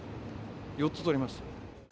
４つ取りました。